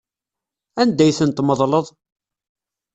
Anda ay tent-tmeḍleḍ?